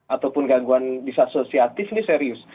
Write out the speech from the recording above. ataupun gangguan disasosiatif ini serius